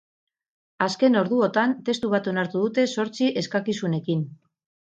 Azken orduotan testu bat onartu dute zortzi eskakizunekin.